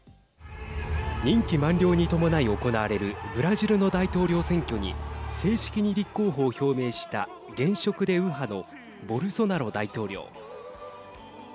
任期満了に伴い行われるブラジルの大統領選挙に正式に立候補を表明した現職で右派のボルソナロ大統領。